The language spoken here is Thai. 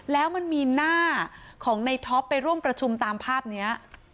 แล้วมันมีหน้าของในท็อปไปร่วมประชุมตามภาพนี้